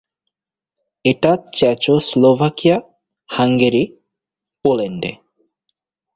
এটা Czechoslovakia, Hungary, পোল্যান্ডে।